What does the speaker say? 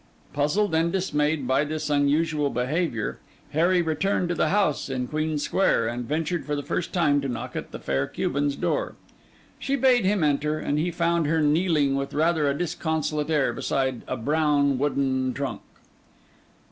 Puzzled and dismayed by this unusual behaviour, Harry returned to the house in Queen Square, and ventured for the first time to knock at the fair Cuban's door. She bade him enter, and he found her kneeling with rather a disconsolate air beside a brown wooden trunk.